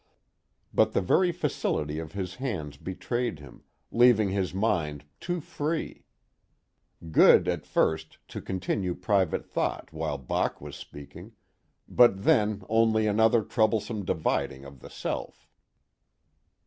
_ But the very facility of his hands betrayed him, leaving his mind too free. Good at first, to continue private thought while Bach was speaking, but then only another troublesome dividing of the self.